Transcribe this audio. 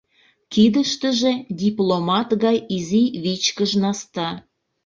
Кидыштыже — дипломат гай изи вичкыж наста.